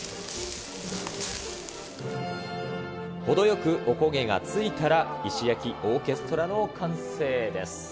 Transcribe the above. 程よくおこげがついたら、石焼オーケストラの完成です。